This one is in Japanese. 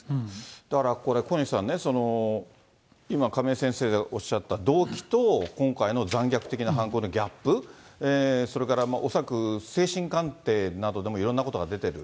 だからこれ、小西さんね、今、亀井先生がおっしゃった動機と今回の残虐的な犯行のギャップ、それからおそらく精神鑑定などでもいろんなことが出てる。